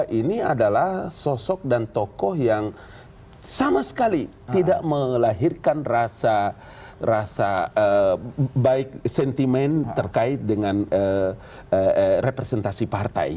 dan ini adalah sosok dan tokoh yang sama sekali tidak melahirkan rasa baik sentimen terkait dengan representasi partai